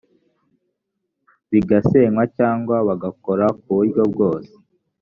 bigasenywa cyangwa bagakora ku buryo bwose